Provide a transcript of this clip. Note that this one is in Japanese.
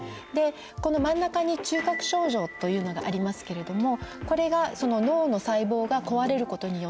この真ん中に中核症状というのがありますけれどもこれが脳の細胞が壊れることによって起こる症状。